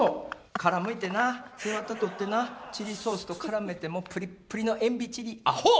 殻むいてな背ワタ取ってなチリソースとからめてもうプリップリのエンビチリアホ！